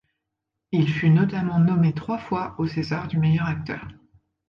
Il fut notamment nommé trois fois au César du meilleur acteur.